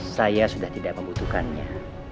saya sudah tidak membutuhkannya